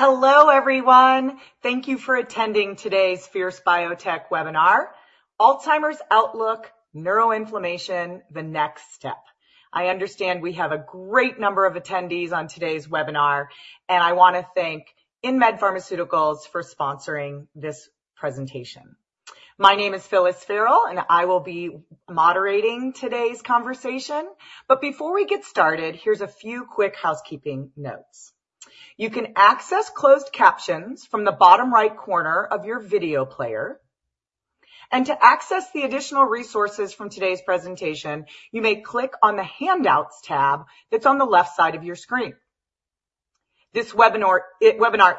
Hello, everyone. Thank you for attending today's Fierce Biotech webinar, Alzheimer's Outlook: Neuroinflammation, the Next Step. I understand we have a great number of attendees on today's webinar, and I want to thank InMed Pharmaceuticals for sponsoring this presentation. My name is Phyllis Ferrell, and I will be moderating today's conversation. But before we get started, here's a few quick housekeeping notes. You can access closed captions from the bottom right corner of your video player. And to access the additional resources from today's presentation, you may click on the Handouts tab that's on the left side of your screen. This webinar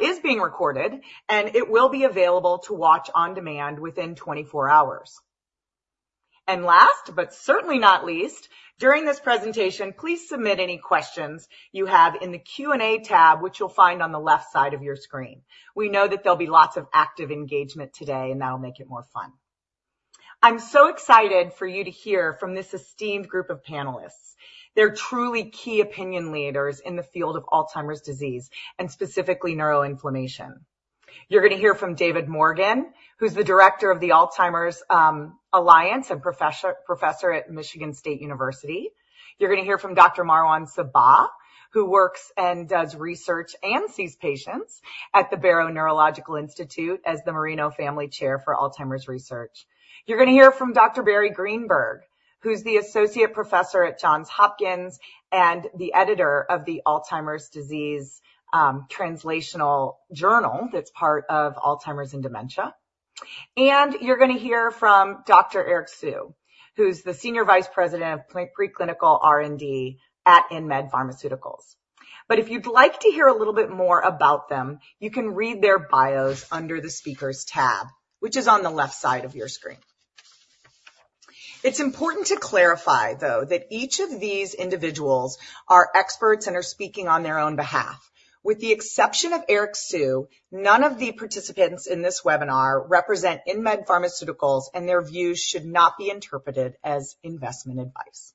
is being recorded, and it will be available to watch on demand within 24 hours. And last, but certainly not least, during this presentation, please submit any questions you have in the Q&A tab, which you'll find on the left side of your screen. We know that there'll be lots of active engagement today, and that'll make it more fun. I'm so excited for you to hear from this esteemed group of panelists. They're truly key opinion leaders in the field of Alzheimer's disease, and specifically neuroinflammation. You're going to hear from David Morgan, who's the director of the Alzheimer's Alliance and professor at Michigan State University. You're going to hear from Dr. Marwan Sabbagh, who works and does research and sees patients at the Barrow Neurological Institute as the Moreno Family Chair for Alzheimer's Research. You're going to hear from Dr. Barry Greenberg, who's the associate professor at Johns Hopkins and the editor of Alzheimer's & Dementia: Translational Research & Clinical Interventions. And you're going to hear from Dr. Eric Hsu, who's the senior vice president of preclinical R&D at InMed Pharmaceuticals. But if you'd like to hear a little bit more about them, you can read their bios under the speakers tab, which is on the left side of your screen. It's important to clarify, though, that each of these individuals are experts and are speaking on their own behalf. With the exception of Eric Hsu, none of the participants in this webinar represent InMed Pharmaceuticals, and their views should not be interpreted as investment advice.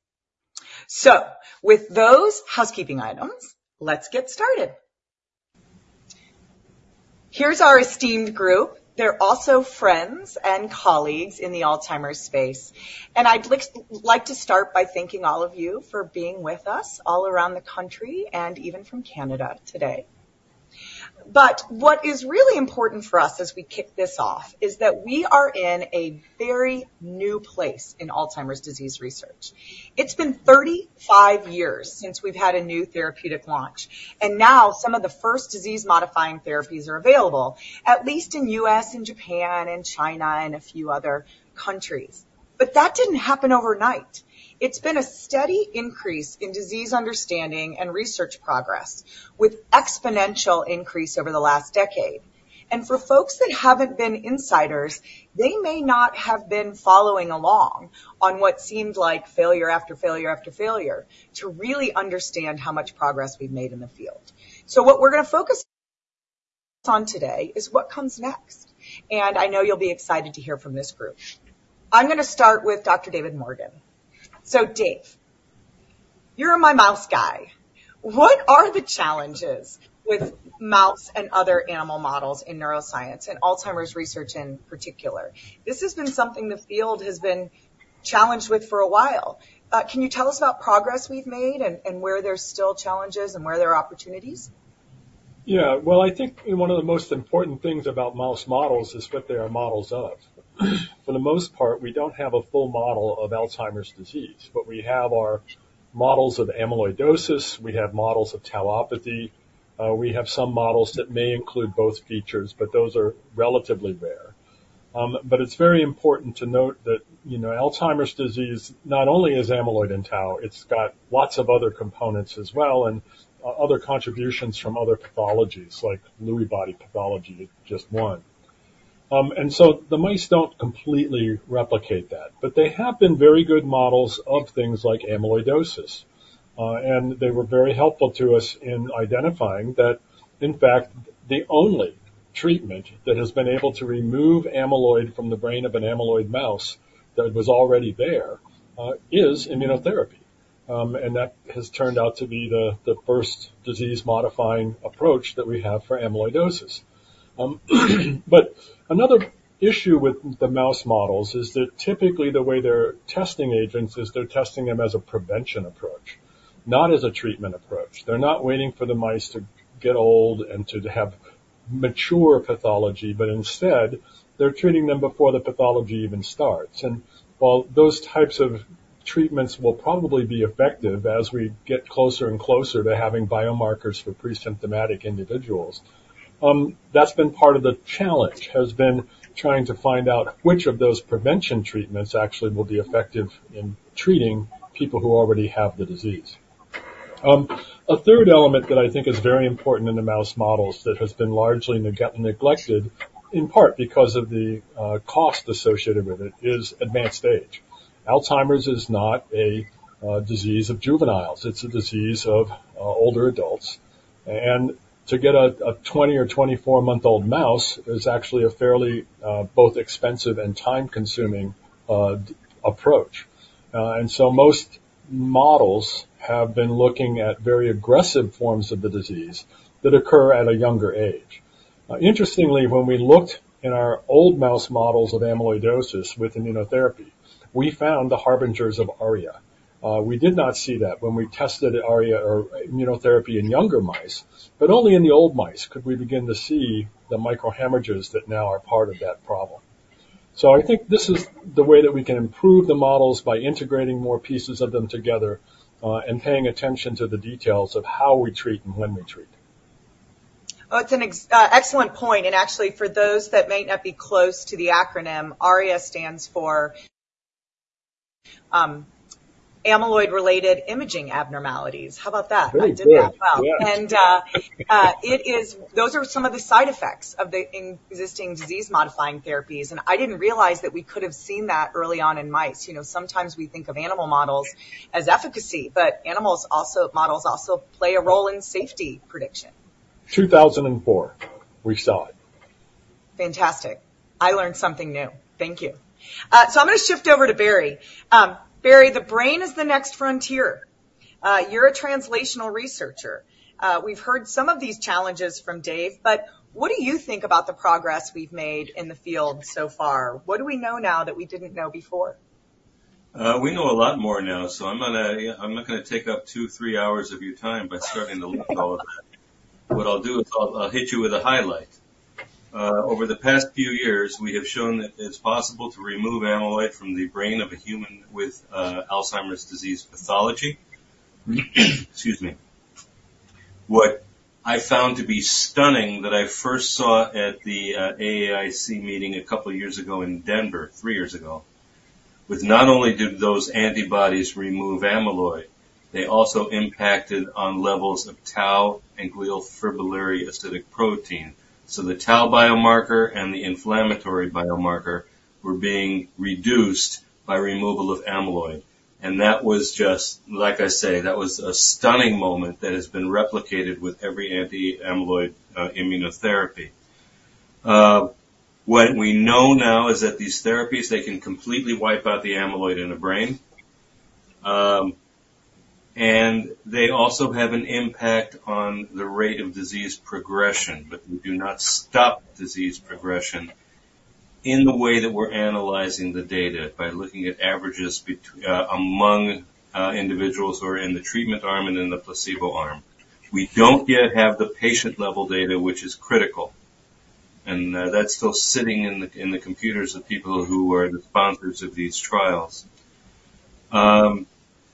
So with those housekeeping items, let's get started. Here's our esteemed group. They're also friends and colleagues in the Alzheimer's space. And I'd like to start by thanking all of you for being with us all around the country and even from Canada today. But what is really important for us as we kick this off is that we are in a very new place in Alzheimer's disease research. It's been 35 years since we've had a new therapeutic launch, and now some of the first disease-modifying therapies are available, at least in the U.S., in Japan, in China, and a few other countries. But that didn't happen overnight. It's been a steady increase in disease understanding and research progress, with exponential increase over the last decade. And for folks that haven't been insiders, they may not have been following along on what seemed like failure after failure after failure to really understand how much progress we've made in the field. So what we're going to focus on today is what comes next. And I know you'll be excited to hear from this group. I'm going to start with Dr. David Morgan. So Dave, you're my mouse guy. What are the challenges with mouse and other animal models in neuroscience and Alzheimer's research in particular? This has been something the field has been challenged with for a while. Can you tell us about progress we've made and where there's still challenges and where there are opportunities? Yeah, well, I think one of the most important things about mouse models is what they are models of. For the most part, we don't have a full model of Alzheimer's disease, but we have our models of amyloidosis. We have models of tauopathy. We have some models that may include both features, but those are relatively rare, but it's very important to note that Alzheimer's disease not only is amyloid and tau, it's got lots of other components as well and other contributions from other pathologies like Lewy body pathology, is just one, and so the mice don't completely replicate that, but they have been very good models of things like amyloidosis, and they were very helpful to us in identifying that, in fact, the only treatment that has been able to remove amyloid from the brain of an amyloid mouse that was already there is immunotherapy. That has turned out to be the first disease-modifying approach that we have for amyloidosis. Another issue with the mouse models is that typically the way they're testing agents is they're testing them as a prevention approach, not as a treatment approach. They're not waiting for the mice to get old and to have mature pathology, but instead, they're treating them before the pathology even starts. While those types of treatments will probably be effective as we get closer and closer to having biomarkers for pre-symptomatic individuals, that's been part of the challenge, has been trying to find out which of those prevention treatments actually will be effective in treating people who already have the disease. A third element that I think is very important in the mouse models that has been largely neglected, in part because of the cost associated with it, is advanced age. Alzheimer's is not a disease of juveniles. It's a disease of older adults, and to get a 20- or 24-month-old mouse is actually a fairly both expensive and time-consuming approach, and so most models have been looking at very aggressive forms of the disease that occur at a younger age. Interestingly, when we looked in our old mouse models of amyloidosis with immunotherapy, we found the harbingers of ARIA. We did not see that when we tested ARIA immunotherapy in younger mice, but only in the old mice could we begin to see the micro-hemorrhages that now are part of that problem, so I think this is the way that we can improve the models by integrating more pieces of them together and paying attention to the details of how we treat and when we treat. Oh, it's an excellent point. And actually, for those that may not be close to the acronym, ARIA stands for Amyloid-Related Imaging Abnormalities. How about that? Good. I did that well, and those are some of the side effects of the existing disease-modifying therapies, and I didn't realize that we could have seen that early on in mice. Sometimes we think of animal models as efficacy, but models also play a role in safety prediction. 2004, we saw it. Fantastic. I learned something new. Thank you. So I'm going to shift over to Barry. Barry, the brain is the next frontier. You're a translational researcher. We've heard some of these challenges from Dave, but what do you think about the progress we've made in the field so far? What do we know now that we didn't know before? We know a lot more now, so I'm not going to take up two, three hours of your time by starting to look at all of that. What I'll do is I'll hit you with a highlight. Over the past few years, we have shown that it's possible to remove amyloid from the brain of a human with Alzheimer's disease pathology. Excuse me. What I found to be stunning that I first saw at the AAIC meeting a couple of years ago in Denver, three years ago, was not only did those antibodies remove amyloid, they also impacted on levels of tau and glial fibrillary acidic protein, so the tau biomarker and the inflammatory biomarker were being reduced by removal of amyloid, and that was just, like I say, that was a stunning moment that has been replicated with every anti-amyloid immunotherapy. What we know now is that these therapies, they can completely wipe out the amyloid in the brain. And they also have an impact on the rate of disease progression, but they do not stop disease progression in the way that we're analyzing the data by looking at averages among individuals who are in the treatment arm and in the placebo arm. We don't yet have the patient-level data, which is critical. And that's still sitting in the computers of people who are the sponsors of these trials.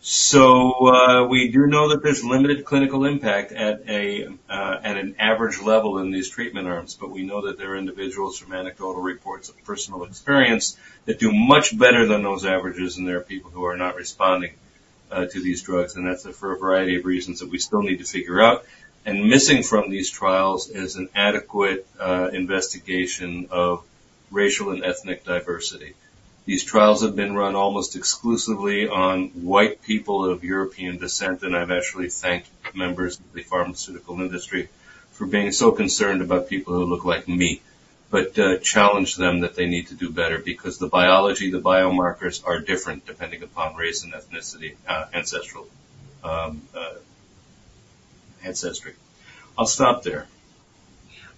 So we do know that there's limited clinical impact at an average level in these treatment arms, but we know that there are individuals from anecdotal reports of personal experience that do much better than those averages, and there are people who are not responding to these drugs. And that's for a variety of reasons that we still need to figure out. Missing from these trials is an adequate investigation of racial and ethnic diversity. These trials have been run almost exclusively on white people of European descent. I've actually thanked members of the pharmaceutical industry for being so concerned about people who look like me, but challenged them that they need to do better because the biology, the biomarkers are different depending upon race and ancestral ancestry. I'll stop there.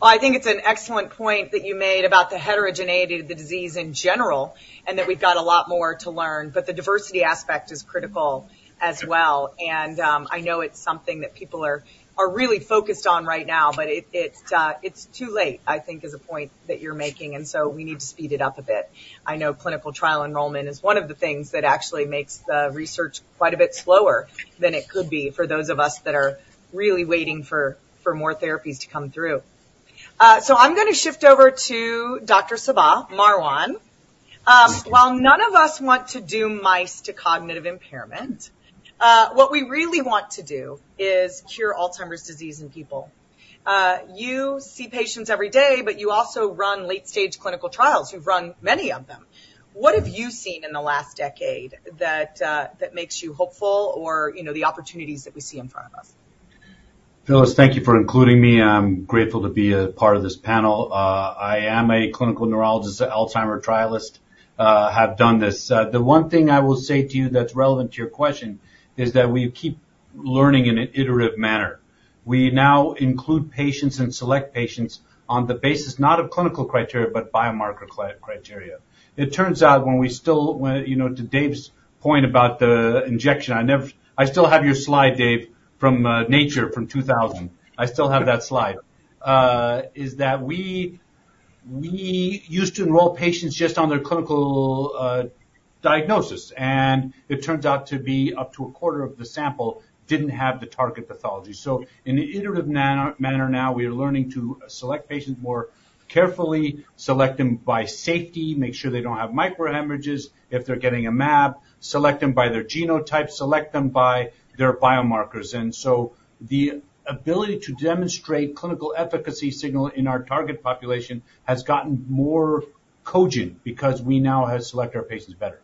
I think it's an excellent point that you made about the heterogeneity of the disease in general and that we've got a lot more to learn. But the diversity aspect is critical as well. And I know it's something that people are really focused on right now, but it's too late, I think, is a point that you're making. And so we need to speed it up a bit. I know clinical trial enrollment is one of the things that actually makes the research quite a bit slower than it could be for those of us that are really waiting for more therapies to come through. So I'm going to shift over to Dr. Sabbagh, Marwan. While none of us want to doom mice to cognitive impairment, what we really want to do is cure Alzheimer's disease in people. You see patients every day, but you also run late-stage clinical trials. You've run many of them. What have you seen in the last decade that makes you hopeful or the opportunities that we see in front of us? Phyllis, thank you for including me. I'm grateful to be a part of this panel. I am a clinical neurologist at Alzheimer Trialist. I have done this. The one thing I will say to you that's relevant to your question is that we keep learning in an iterative manner. We now include patients and select patients on the basis not of clinical criteria, but biomarker criteria. It turns out when we still, to Dave's point about the injection, I still have your slide, Dave, from Nature from 2000. I still have that slide, is that we used to enroll patients just on their clinical diagnosis. It turns out to be up to a quarter of the sample didn't have the target pathology. So in an iterative manner now, we are learning to select patients more carefully, select them by safety, make sure they don't have micro-hemorrhages if they're getting a mAb, select them by their genotype, select them by their biomarkers. And so the ability to demonstrate clinical efficacy signal in our target population has gotten more cogent because we now have selected our patients better.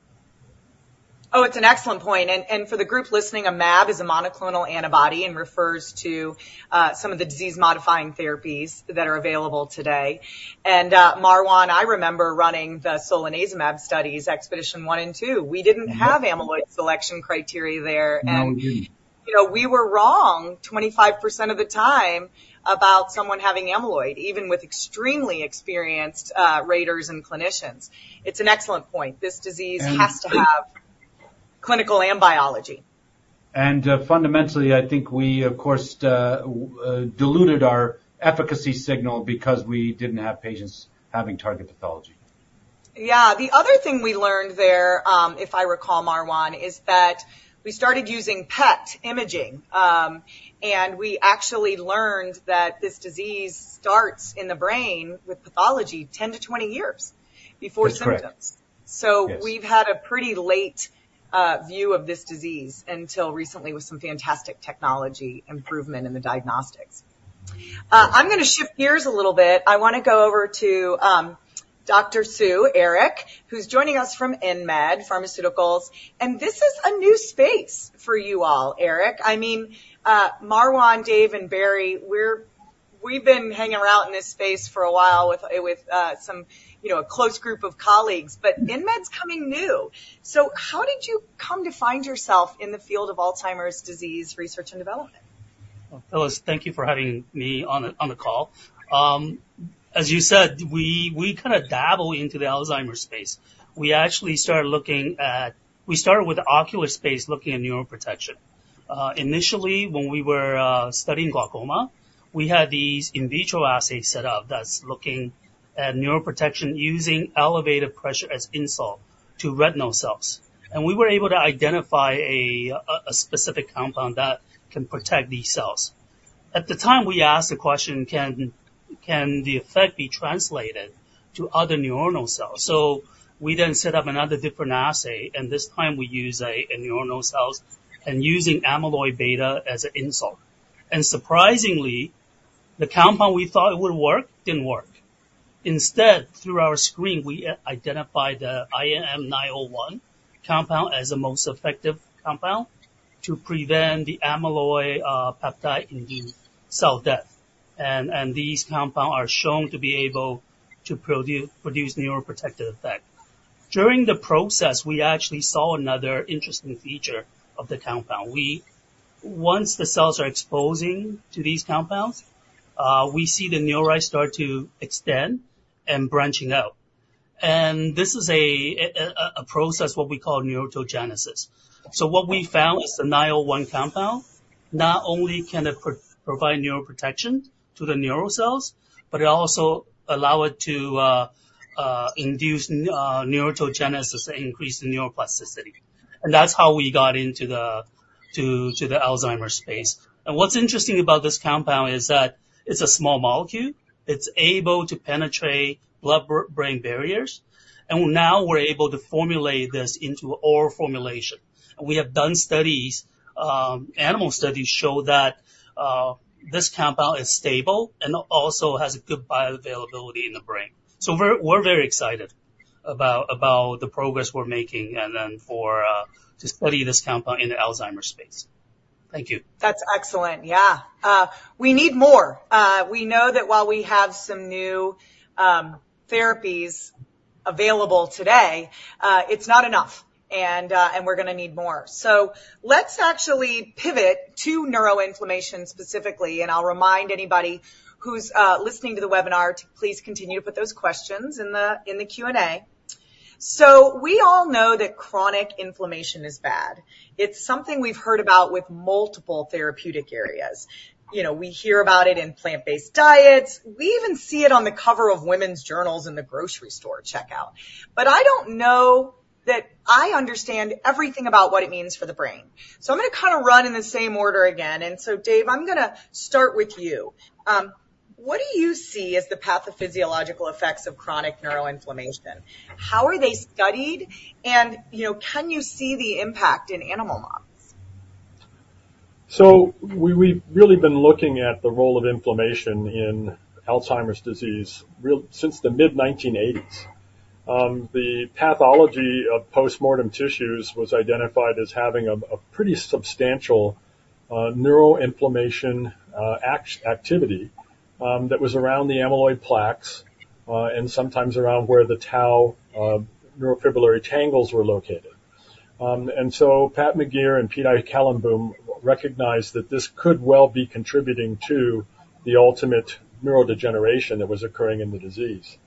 Oh, it's an excellent point, and for the group listening, a mAb is a monoclonal antibody and refers to some of the disease-modifying therapies that are available today, and Marwan, I remember running the solanezumab studies, Expedition One and Two. We didn't have amyloid selection criteria there, and we were wrong 25% of the time about someone having amyloid, even with extremely experienced raters and clinicians. It's an excellent point. This disease has to have clinical and biology. Fundamentally, I think we, of course, diluted our efficacy signal because we didn't have patients having target pathology. Yeah. The other thing we learned there, if I recall, Marwan, is that we started using PET imaging. And we actually learned that this disease starts in the brain with pathology 10 to 20 years before symptoms. So we've had a pretty late view of this disease until recently with some fantastic technology improvement in the diagnostics. I'm going to shift gears a little bit. I want to go over to Dr. Hsu, Eric, who's joining us from InMed Pharmaceuticals. And this is a new space for you all, Eric. I mean, Marwan, Dave, and Barry, we've been hanging around in this space for a while with a close group of colleagues, but InMed's coming new. So how did you come to find yourself in the field of Alzheimer's disease research and development? Phyllis, thank you for having me on the call. As you said, we kind of dabbled into the Alzheimer's space. We actually started with the ocular space, looking at neuroprotection. Initially, when we were studying glaucoma, we had these in vitro assays set up that's looking at neuroprotection using elevated pressure as insult to retinal cells. We were able to identify a specific compound that can protect these cells. At the time, we asked the question, can the effect be translated to other neuronal cells? We then set up another different assay. This time, we use neuronal cells and using amyloid beta as an insult. Surprisingly, the compound we thought would work didn't work. Instead, through our screen, we identified the INM-901 compound as the most effective compound to prevent the amyloid peptide-induced cell death. And these compounds are shown to be able to produce neuroprotective effect. During the process, we actually saw another interesting feature of the compound. Once the cells are exposing to these compounds, we see the neurons start to extend and branch out. And this is a process, what we call neurogenesis. So what we found is the 901 compound, not only can it provide neuroprotection to the neurocells, but it also allows it to induce neurogenesis and increase the neuroplasticity. And that's how we got into the Alzheimer's space. And what's interesting about this compound is that it's a small molecule. It's able to penetrate blood-brain barrier. And now we're able to formulate this into oral formulation. And we have done studies. Animal studies show that this compound is stable and also has a good bioavailability in the brain. We're very excited about the progress we're making and then to study this compound in the Alzheimer's space. Thank you. That's excellent. Yeah. We need more. We know that while we have some new therapies available today, it's not enough. And we're going to need more. So let's actually pivot to neuroinflammation specifically. And I'll remind anybody who's listening to the webinar to please continue to put those questions in the Q&A. So we all know that chronic inflammation is bad. It's something we've heard about with multiple therapeutic areas. We hear about it in plant-based diets. We even see it on the cover of women's journals in the grocery store checkout. But I don't know that I understand everything about what it means for the brain. So I'm going to kind of run in the same order again. And so, Dave, I'm going to start with you. What do you see as the pathophysiological effects of chronic neuroinflammation? How are they studied? Can you see the impact in animal models? We've really been looking at the role of inflammation in Alzheimer's disease since the mid-1980s. The pathology of postmortem tissues was identified as having a pretty substantial neuroinflammation activity that was around the amyloid plaques and sometimes around where the tau neurofibrillary tangles were located. And so Pat McGeer and Piet Eikelenboom recognized that this could well be contributing to the ultimate neurodegeneration that was occurring in the disease.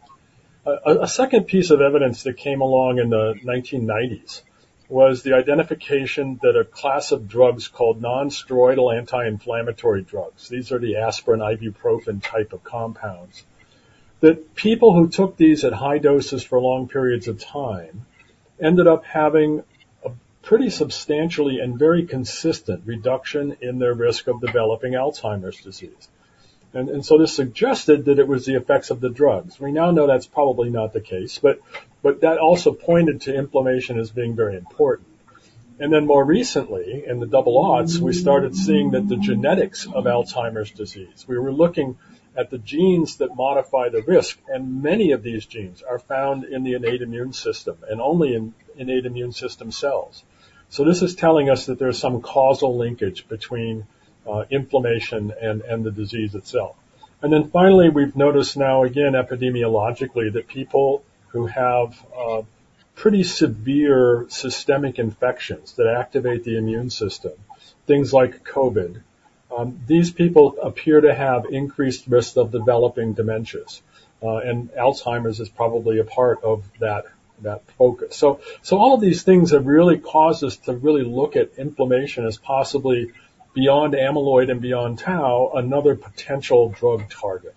A second piece of evidence that came along in the 1990s was the identification that a class of drugs called nonsteroidal anti-inflammatory drugs, these are the aspirin and ibuprofen type of compounds, that people who took these at high doses for long periods of time ended up having a pretty substantially and very consistent reduction in their risk of developing Alzheimer's disease. And so this suggested that it was the effects of the drugs. We now know that's probably not the case, but that also pointed to inflammation as being very important. And then more recently, in the 2000s, we started seeing that the genetics of Alzheimer's disease, we were looking at the genes that modify the risk. And many of these genes are found in the innate immune system and only in innate immune system cells. So this is telling us that there's some causal linkage between inflammation and the disease itself. And then finally, we've noticed now, again, epidemiologically, that people who have pretty severe systemic infections that activate the immune system, things like COVID, these people appear to have increased risk of developing dementias. And Alzheimer's is probably a part of that focus. So all of these things have really caused us to really look at inflammation as possibly beyond amyloid and beyond tau, another potential drug target.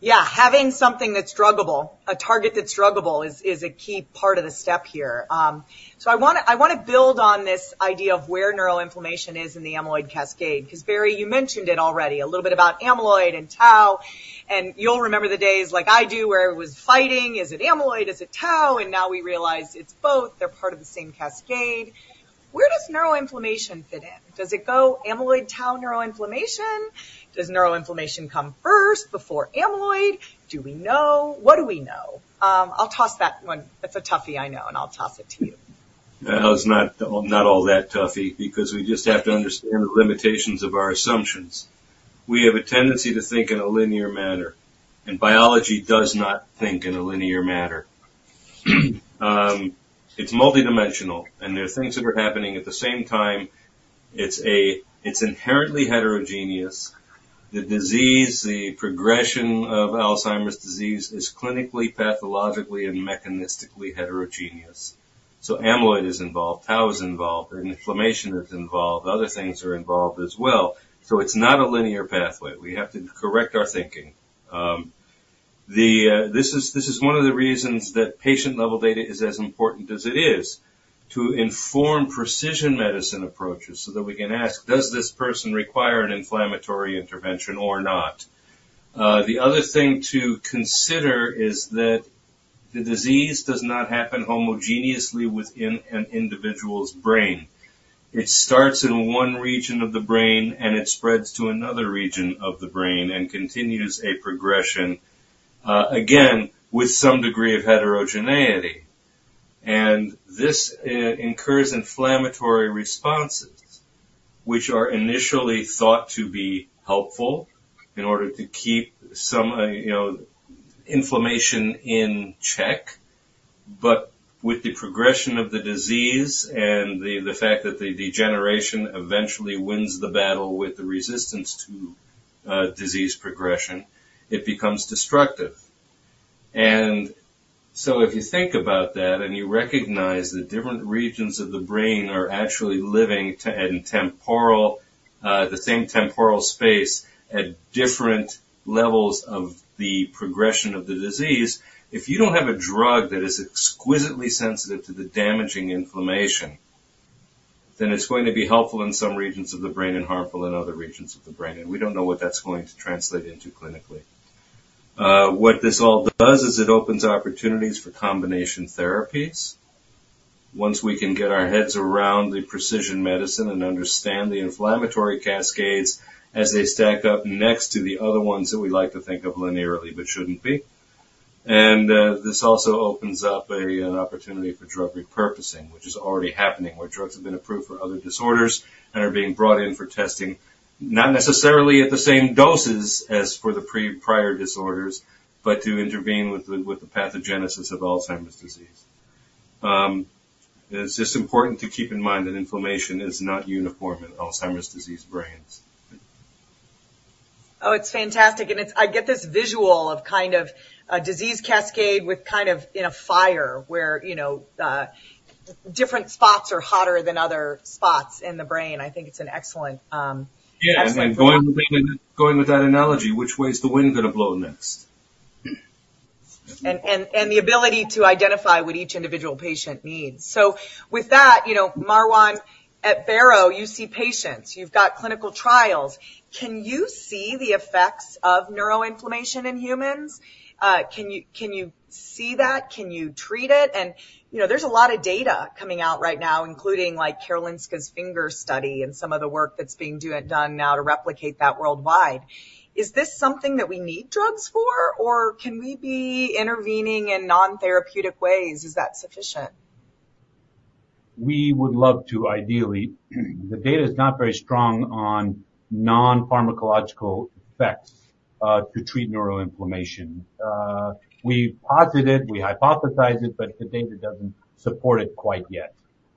Yeah. Having something that's druggable, a target that's druggable, is a key part of the step here. So I want to build on this idea of where neuroinflammation is in the amyloid cascade. Because Barry, you mentioned it already a little bit about amyloid and tau. And you'll remember the days like I do where it was fighting, is it amyloid, is it tau, and now we realize it's both, they're part of the same cascade. Where does neuroinflammation fit in? Does it go amyloid-tau neuroinflammation? Does neuroinflammation come first before amyloid? Do we know? What do we know? I'll toss that one. That's a toughie, I know, and I'll toss it to you. That was not all that toughie because we just have to understand the limitations of our assumptions. We have a tendency to think in a linear manner, and biology does not think in a linear manner. It's multidimensional, and there are things that are happening at the same time. It's inherently heterogeneous. The disease, the progression of Alzheimer's disease is clinically, pathologically, and mechanistically heterogeneous. So amyloid is involved, tau is involved, and inflammation is involved. Other things are involved as well. So it's not a linear pathway. We have to correct our thinking. This is one of the reasons that patient-level data is as important as it is to inform precision medicine approaches so that we can ask, does this person require an inflammatory intervention or not? The other thing to consider is that the disease does not happen homogeneously within an individual's brain. It starts in one region of the brain, and it spreads to another region of the brain and continues a progression, again, with some degree of heterogeneity. And this incurs inflammatory responses, which are initially thought to be helpful in order to keep some inflammation in check. But with the progression of the disease and the fact that the degeneration eventually wins the battle with the resistance to disease progression, it becomes destructive. And so if you think about that and you recognize that different regions of the brain are actually living in the same temporal space at different levels of the progression of the disease, if you don't have a drug that is exquisitely sensitive to the damaging inflammation, then it's going to be helpful in some regions of the brain and harmful in other regions of the brain. We don't know what that's going to translate into clinically. What this all does is it opens opportunities for combination therapies once we can get our heads around the precision medicine and understand the inflammatory cascades as they stack up next to the other ones that we like to think of linearly, but shouldn't be. And this also opens up an opportunity for drug repurposing, which is already happening where drugs have been approved for other disorders and are being brought in for testing, not necessarily at the same doses as for the prior disorders, but to intervene with the pathogenesis of Alzheimer's disease. It's just important to keep in mind that inflammation is not uniform in Alzheimer's disease brains. Oh, it's fantastic. And I get this visual of kind of a disease cascade with kind of in a fire where different spots are hotter than other spots in the brain. I think it's an excellent. Yeah, and going with that analogy, which way is the wind going to blow next? The ability to identify what each individual patient needs. So with that, Marwan, at Barrow, you see patients. You've got clinical trials. Can you see the effects of neuroinflammation in humans? Can you see that? Can you treat it? And there's a lot of data coming out right now, including Karolinska's FINGER study and some of the work that's being done now to replicate that worldwide. Is this something that we need drugs for, or can we be intervening in non-therapeutic ways? Is that sufficient? We would love to, ideally. The data is not very strong on non-pharmacological effects to treat neuroinflammation. We posit it, we hypothesize it, but the data doesn't support it quite yet,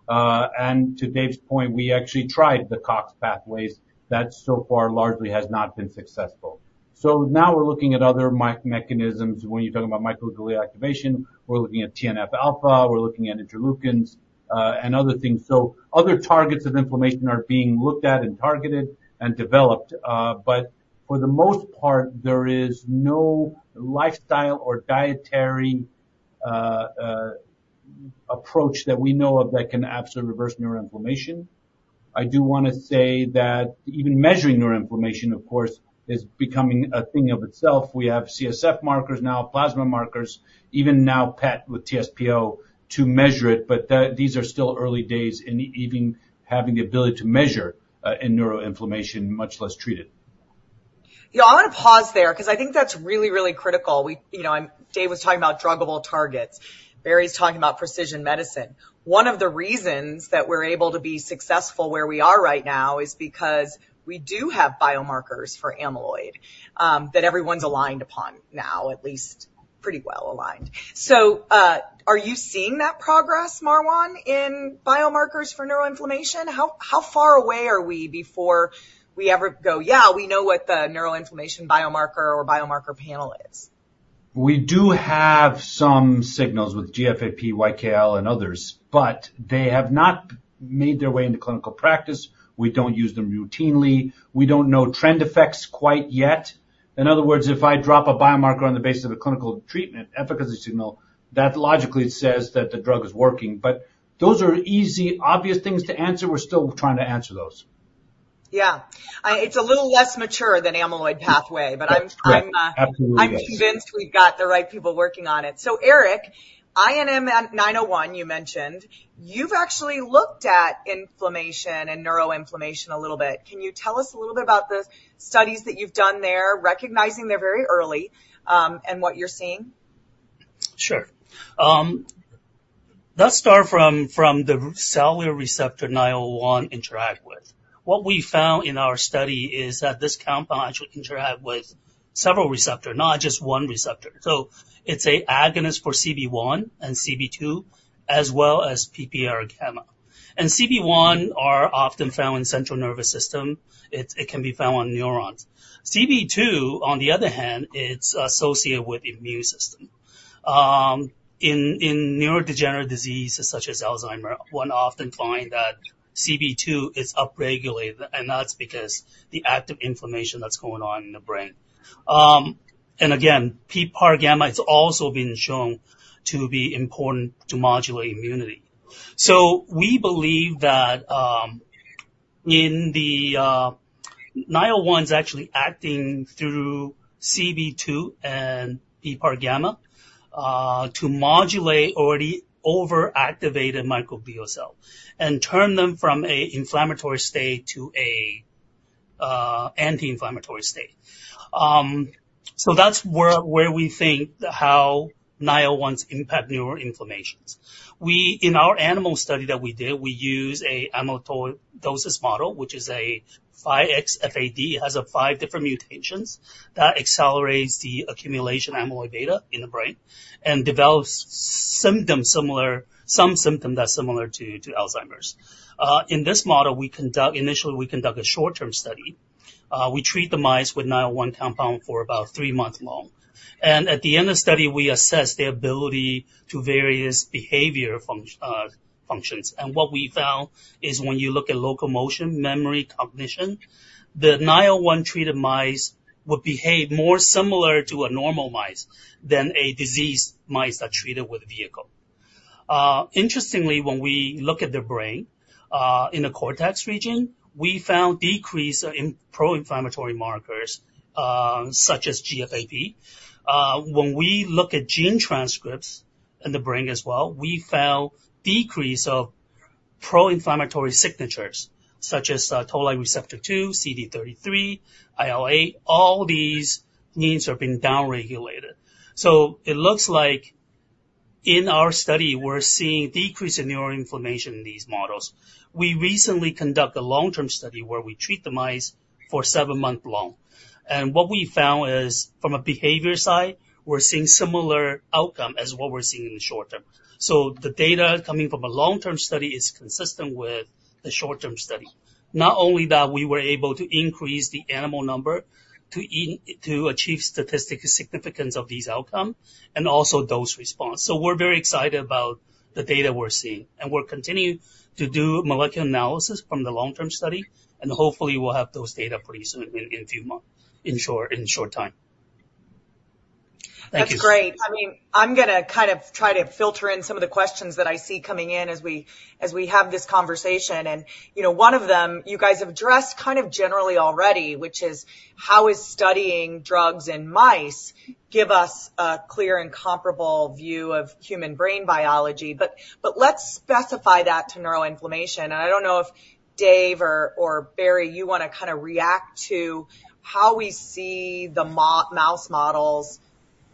and to Dave's point, we actually tried the COX pathways. That so far largely has not been successful, so now we're looking at other mechanisms. When you're talking about microglia activation, we're looking at TNF-alpha. We're looking at interleukins and other things, so other targets of inflammation are being looked at and targeted and developed, but for the most part, there is no lifestyle or dietary approach that we know of that can absolutely reverse neuroinflammation. I do want to say that even measuring neuroinflammation, of course, is becoming a thing of itself. We have CSF markers now, plasma markers, even now, PET with TSPO to measure it. But these are still early days in even having the ability to measure in neuroinflammation, much less treat it. I want to pause there because I think that's really, really critical. Dave was talking about druggable targets. Barry's talking about precision medicine. One of the reasons that we're able to be successful where we are right now is because we do have biomarkers for amyloid that everyone's aligned upon now, at least pretty well aligned. So are you seeing that progress, Marwan, in biomarkers for neuroinflammation? How far away are we before we ever go, "Yeah, we know what the neuroinflammation biomarker or biomarker panel is"? We do have some signals with GFAP, YKL, and others, but they have not made their way into clinical practice. We don't use them routinely. We don't know trend effects quite yet. In other words, if I drop a biomarker on the basis of a clinical treatment efficacy signal, that logically says that the drug is working. But those are easy, obvious things to answer. We're still trying to answer those. Yeah. It's a little less mature than amyloid pathway, but I'm convinced we've got the right people working on it. So Eric, INM-901, you mentioned. You've actually looked at inflammation and neuroinflammation a little bit. Can you tell us a little bit about the studies that you've done there, recognizing they're very early and what you're seeing? Sure. Let's start from the cellular receptor 901 interact with. What we found in our study is that this compound actually interacts with several receptors, not just one receptor. So it's an agonist for CB1 and CB2, as well as PPAR-gamma. And CB1 are often found in the central nervous system. It can be found on neurons. CB2, on the other hand, it's associated with the immune system. In neurodegenerative diseases such as Alzheimer's, one often finds that CB2 is upregulated, and that's because of the active inflammation that's going on in the brain. And again, PPAR-gamma, it's also been shown to be important to modulate immunity. So we believe that in the 901, it's actually acting through CB2 and PPAR-gamma to modulate already over-activated microglia cells and turn them from an inflammatory state to an anti-inflammatory state. So that's where we think how 901s impact neuroinflammation. In our animal study that we did, we used an amyloidosis model, which is a 5XFAD. It has five different mutations that accelerate the accumulation of amyloid beta in the brain and develop some symptom that's similar to Alzheimer's. In this model, initially, we conduct a short-term study. We treat the mice with 901 compound for about three months long. And at the end of the study, we assess their ability to various behavior functions. And what we found is when you look at locomotion, memory, cognition, the 901-treated mice would behave more similar to a normal mice than a diseased mice that are treated with a vehicle. Interestingly, when we look at their brain in the cortex region, we found a decrease in pro-inflammatory markers such as GFAP. When we look at gene transcripts in the brain as well, we found a decrease of pro-inflammatory signatures such as Toll-like receptor 2, CD33, IL-8. All these genes have been downregulated, so it looks like in our study, we're seeing a decrease in neuroinflammation in these models. We recently conducted a long-term study where we treat the mice for seven months long, and what we found is from a behavior side, we're seeing similar outcomes as what we're seeing in the short term, so the data coming from a long-term study is consistent with the short-term study. Not only that, we were able to increase the animal number to achieve statistical significance of these outcomes and also dose response, so we're very excited about the data we're seeing, and we're continuing to do molecular analysis from the long-term study. Hopefully, we'll have those data pretty soon in a few months, in short time. That's great. I mean, I'm going to kind of try to filter in some of the questions that I see coming in as we have this conversation. And one of them, you guys have addressed kind of generally already, which is how is studying drugs in mice give us a clear and comparable view of human brain biology. But let's specify that to neuroinflammation. And I don't know if Dave or Barry, you want to kind of react to how we see the mouse models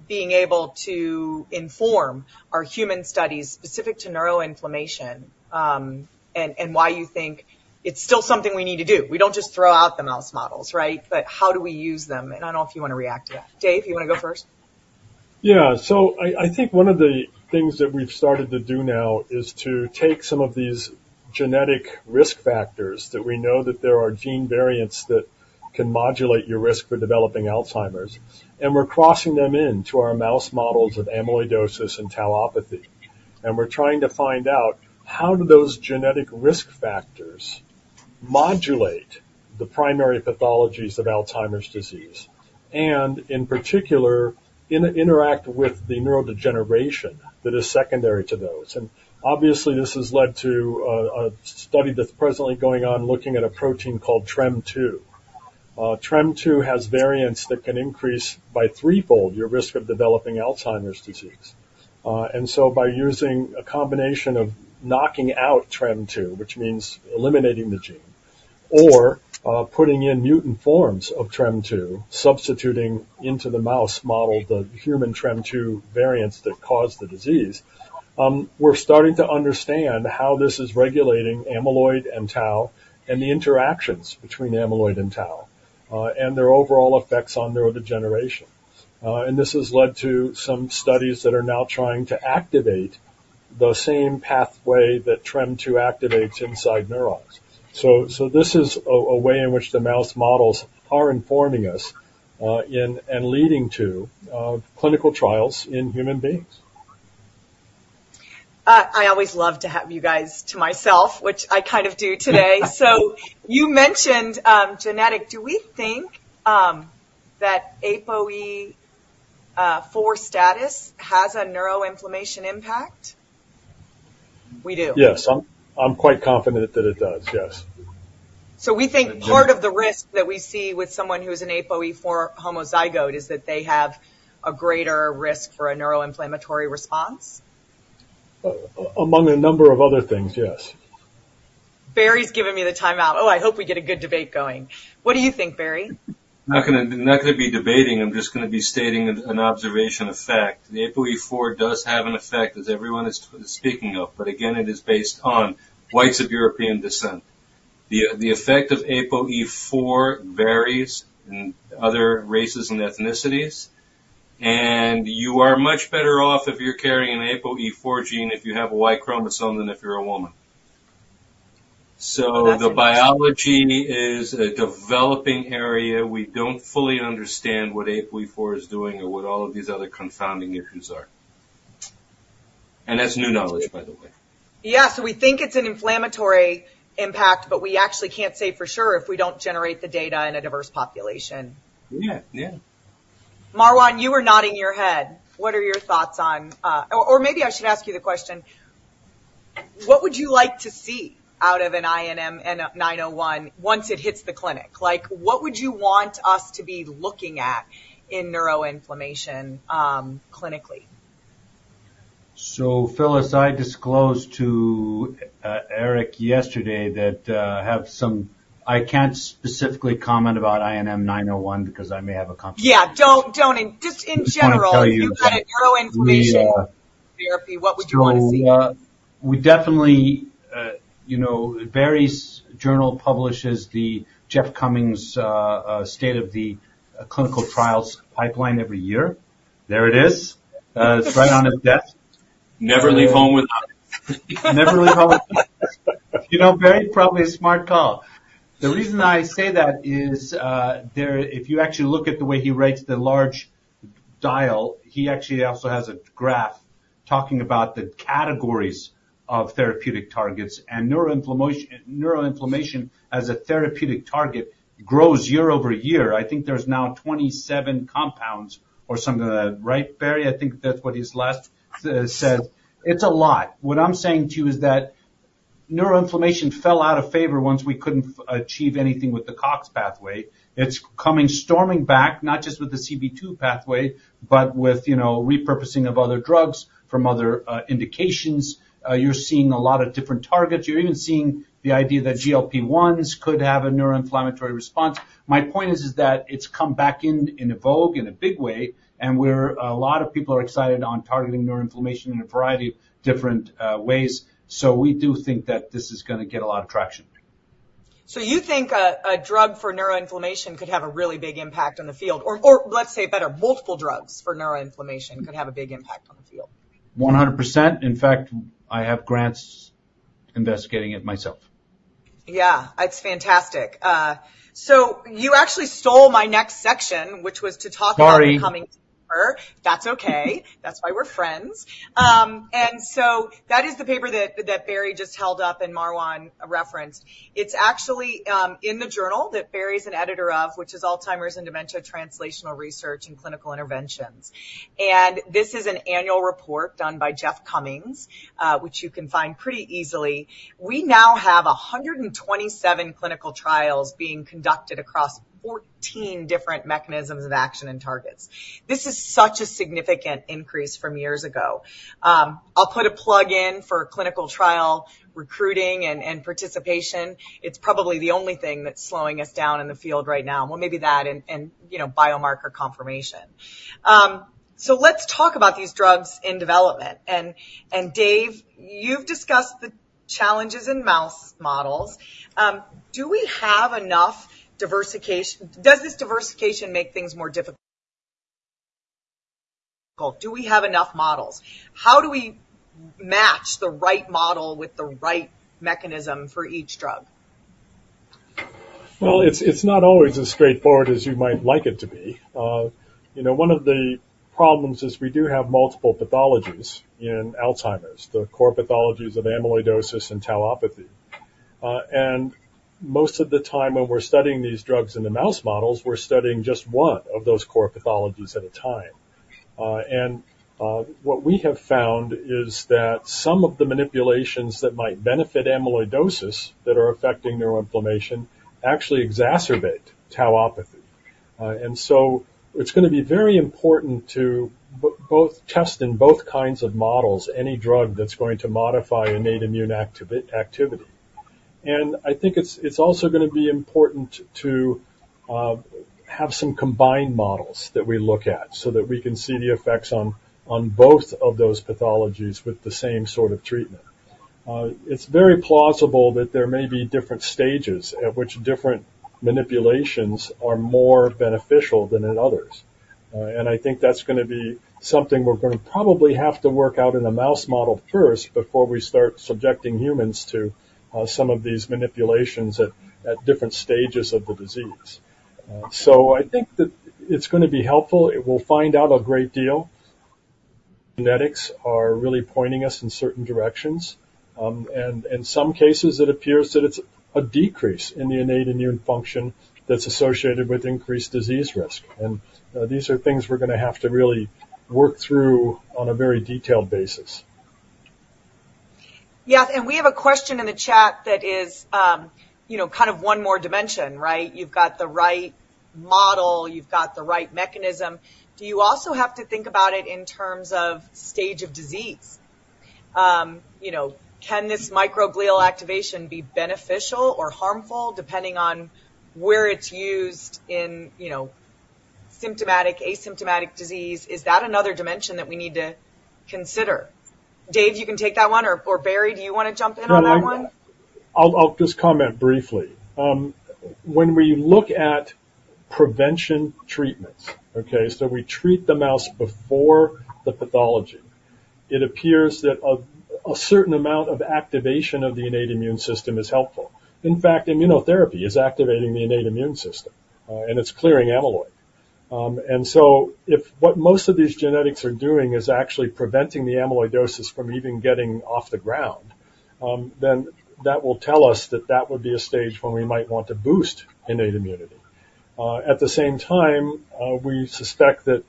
being able to inform our human studies specific to neuroinflammation and why you think it's still something we need to do. We don't just throw out the mouse models, right? But how do we use them? And I don't know if you want to react to that. Dave, you want to go first? Yeah. So I think one of the things that we've started to do now is to take some of these genetic risk factors that we know that there are gene variants that can modulate your risk for developing Alzheimer's. And we're crossing them into our mouse models of amyloidosis and tauopathy. And we're trying to find out how do those genetic risk factors modulate the primary pathologies of Alzheimer's disease and, in particular, interact with the neurodegeneration that is secondary to those. And obviously, this has led to a study that's presently going on looking at a protein called TREM2. TREM2 has variants that can increase by threefold your risk of developing Alzheimer's disease. By using a combination of knocking out TREM2, which means eliminating the gene, or putting in mutant forms of TREM2, substituting into the mouse model the human TREM2 variants that cause the disease, we're starting to understand how this is regulating amyloid and tau and the interactions between amyloid and tau and their overall effects on neurodegeneration. This has led to some studies that are now trying to activate the same pathway that TREM2 activates inside neurons. This is a way in which the mouse models are informing us and leading to clinical trials in human beings. I always love to have you guys to myself, which I kind of do today. So you mentioned genetic. Do we think that APOE4 status has a neuroinflammation impact? We do. Yes. I'm quite confident that it does. Yes. So we think part of the risk that we see with someone who is an APOE4 homozygote is that they have a greater risk for a neuroinflammatory response? Among a number of other things, yes. Barry's giving me the timeout. Oh, I hope we get a good debate going. What do you think, Barry? I'm not going to be debating. I'm just going to be stating an observation of fact. The APOE4 does have an effect as everyone is speaking of. But again, it is based on whites of European descent. The effect of APOE4 varies in other races and ethnicities. And you are much better off if you're carrying an APOE4 gene if you have a Y chromosome than if you're a woman. So the biology is a developing area. We don't fully understand what APOE4 is doing or what all of these other confounding issues are. And that's new knowledge, by the way. Yeah. So we think it's an inflammatory impact, but we actually can't say for sure if we don't generate the data in a diverse population. Yeah. Yeah. Marwan, you were nodding your head. What are your thoughts on, or maybe I should ask you the question, what would you like to see out of an INM-901 once it hits the clinic? What would you want us to be looking at in neuroinflammation clinically? So, Phyllis, I disclosed to Eric yesterday that I have some. I can't specifically comment about INM-901 because I may have a conflict. Yeah. Just in general, if you had a neuroinflammation therapy, what would you want to see? We definitely, Barry's journal publishes the Jeff Cummings State of the Clinical Trials pipeline every year. There it is. It's right on his desk. Never leave home without it. Never leave home without it. You know, Barry, probably a smart call. The reason I say that is if you actually look at the way he writes the large deal, he actually also has a graph talking about the categories of therapeutic targets. Neuroinflammation as a therapeutic target grows year over year. I think there's now 27 compounds or something like that. Right, Barry? I think that's what he last said. It's a lot. What I'm saying to you is that neuroinflammation fell out of favor once we couldn't achieve anything with the COX pathway. It's coming storming back, not just with the CB2 pathway, but with repurposing of other drugs from other indications. You're seeing a lot of different targets. You're even seeing the idea that GLP-1s could have a neuroinflammatory response. My point is that it's come back in vogue in a big way. A lot of people are excited on targeting neuroinflammation in a variety of different ways. We do think that this is going to get a lot of traction. So you think a drug for neuroinflammation could have a really big impact on the field? Or let's say it better, multiple drugs for neuroinflammation could have a big impact on the field. 100%. In fact, I have grants investigating it myself. Yeah. It's fantastic. So you actually stole my next section, which was to talk about Cummings Paper. That's okay. That's why we're friends. And so that is the paper that Barry just held up and Marwan referenced. It's actually in the journal that Barry's an editor of, which is Alzheimer's and Dementia Translational Research and Clinical Interventions. And this is an annual report done by Jeff Cummings, which you can find pretty easily. We now have 127 clinical trials being conducted across 14 different mechanisms of action and targets. This is such a significant increase from years ago. I'll put a plug in for clinical trial recruiting and participation. It's probably the only thing that's slowing us down in the field right now. Well, maybe that and biomarker confirmation. So let's talk about these drugs in development. And Dave, you've discussed the challenges in mouse models. Do we have enough diversification? Does this diversification make things more difficult? Do we have enough models? How do we match the right model with the right mechanism for each drug? It's not always as straightforward as you might like it to be. One of the problems is we do have multiple pathologies in Alzheimer's, the core pathologies of amyloidosis and tauopathy. Most of the time when we're studying these drugs in the mouse models, we're studying just one of those core pathologies at a time. What we have found is that some of the manipulations that might benefit amyloidosis that are affecting neuroinflammation actually exacerbate tauopathy. It's going to be very important to both test in both kinds of models any drug that's going to modify innate immune activity. I think it's also going to be important to have some combined models that we look at so that we can see the effects on both of those pathologies with the same sort of treatment. It's very plausible that there may be different stages at which different manipulations are more beneficial than in others. And I think that's going to be something we're going to probably have to work out in a mouse model first before we start subjecting humans to some of these manipulations at different stages of the disease. So I think that it's going to be helpful. We'll find out a great deal. Genetics are really pointing us in certain directions. And in some cases, it appears that it's a decrease in the innate immune function that's associated with increased disease risk. And these are things we're going to have to really work through on a very detailed basis. Yes. And we have a question in the chat that is kind of one more dimension, right? You've got the right model. You've got the right mechanism. Do you also have to think about it in terms of stage of disease? Can this microglial activation be beneficial or harmful depending on where it's used in symptomatic, asymptomatic disease? Is that another dimension that we need to consider? Dave, you can take that one. Or Barry, do you want to jump in on that one? I'll just comment briefly. When we look at prevention treatments, okay, so we treat the mouse before the pathology, it appears that a certain amount of activation of the innate immune system is helpful. In fact, immunotherapy is activating the innate immune system, and it's clearing amyloid, and so if what most of these genetics are doing is actually preventing the amyloidosis from even getting off the ground, then that will tell us that that would be a stage when we might want to boost innate immunity. At the same time, we suspect that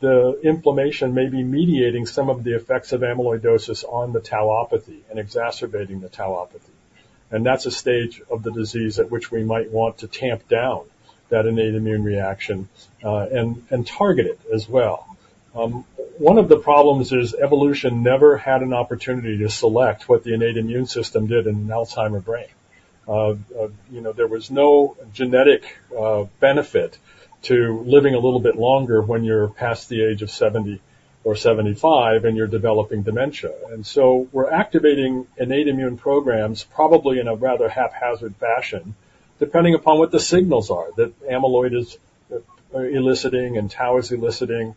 the inflammation may be mediating some of the effects of amyloidosis on the tauopathy and exacerbating the tauopathy, and that's a stage of the disease at which we might want to tamp down that innate immune reaction and target it as well. One of the problems is evolution never had an opportunity to select what the innate immune system did in an Alzheimer's brain. There was no genetic benefit to living a little bit longer when you're past the age of 70 or 75 and you're developing dementia, and so we're activating innate immune programs probably in a rather haphazard fashion, depending upon what the signals are that amyloid is eliciting and tau is eliciting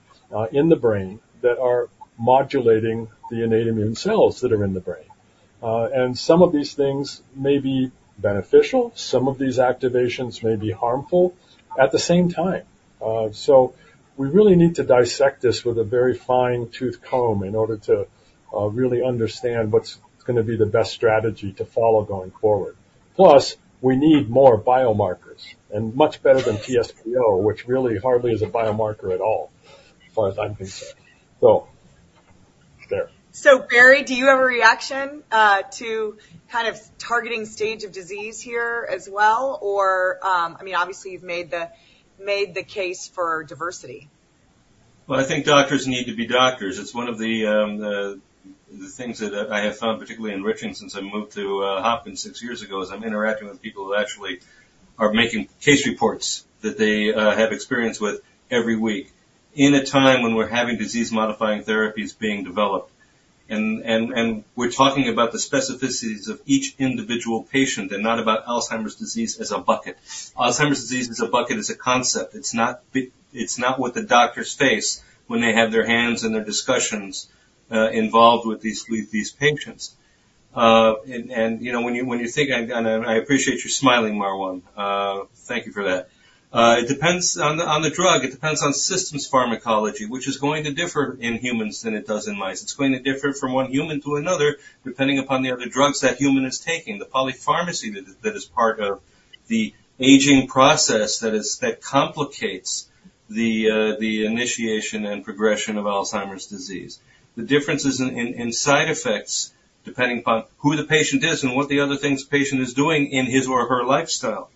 in the brain that are modulating the innate immune cells that are in the brain, and some of these things may be beneficial. Some of these activations may be harmful at the same time, so we really need to dissect this with a very fine-toothed comb in order to really understand what's going to be the best strategy to follow going forward. Plus, we need more biomarkers and much better than TSPO, which really hardly is a biomarker at all, as far as I'm concerned. So there. So Barry, do you have a reaction to kind of targeting stage of disease here as well? Or I mean, obviously, you've made the case for diversity. I think doctors need to be doctors. It's one of the things that I have found particularly enriching since I moved to Hopkins six years ago is I'm interacting with people who actually are making case reports that they have experience with every week in a time when we're having disease-modifying therapies being developed. We're talking about the specificities of each individual patient and not about Alzheimer's disease as a bucket. Alzheimer's disease as a bucket is a concept. It's not what the doctors face when they have their hands and their discussions involved with these patients. When you think, I appreciate you smiling, Marwan. Thank you for that. It depends on the drug. It depends on systems pharmacology, which is going to differ in humans than it does in mice. It's going to differ from one human to another depending upon the other drugs that human is taking, the polypharmacy that is part of the aging process that complicates the initiation and progression of Alzheimer's disease. The differences in side effects depending upon who the patient is and what the other things the patient is doing in his or her lifestyle.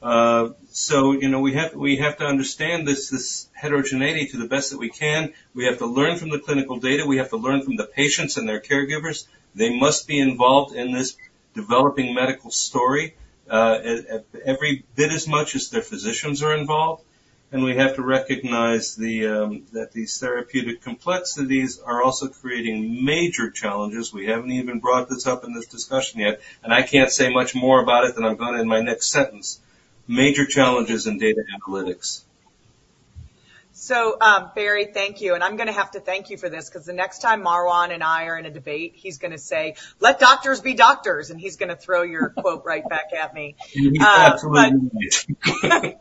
So we have to understand this heterogeneity to the best that we can. We have to learn from the clinical data. We have to learn from the patients and their caregivers. They must be involved in this developing medical story every bit as much as their physicians are involved. And we have to recognize that these therapeutic complexities are also creating major challenges. We haven't even brought this up in this discussion yet. And I can't say much more about it than I'm going to in my next sentence. Major challenges in data analytics. So Barry, thank you. And I'm going to have to thank you for this because the next time Marwan and I are in a debate, he's going to say, "Let doctors be doctors." And he's going to throw your quote right back at me. He's absolutely right.